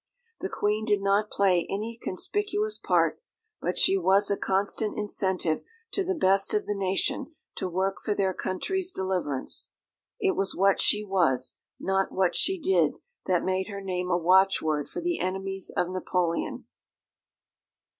The Queen did not play any conspicuous part, but she was a constant incentive to the best of the nation to work for their country's deliverance. It was what she was, not what she did, that made her name a watchword for the enemies of Napoleon."